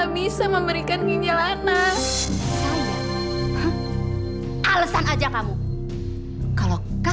mama mengunci saya